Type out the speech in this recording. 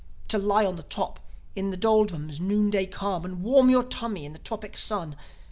To lie on the top, in the doldrums' noonday calm, and warm your tummy in the tropic sun!